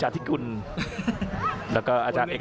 อัศวินาศาสตร์